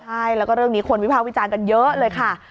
ใช่แล้วก็เรื่องนี้คนวิภาควิจารณ์กันเยอะเลยค่ะ